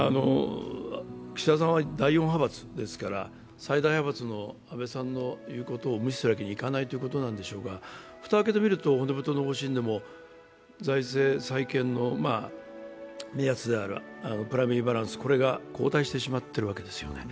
岸田さんは第４派閥ですから最大派閥の安倍さんの言うことを無視するわけにいかないんでしょうけれども蓋を開けてみると骨太の方針でも財政再建の目安であるプライマリーバランスが後退してしまってるんですよね。